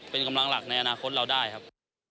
เป็นกำลังหลักในอนาคตเราได้ครับ